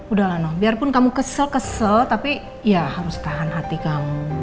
udahlah noh biarpun kamu kesel kesel tapi ya harus tahan hati kamu